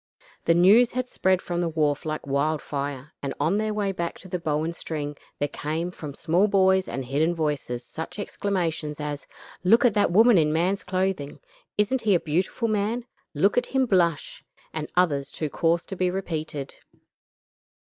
The news had spread from the wharf like wildfire, and on their way back to the Bow and String, there came from small boys and hidden voices such exclamations as: "Look at the woman in man's clothing;" "Isn't he a beautiful man?" "Look at him blush;" and others too coarse to be repeated.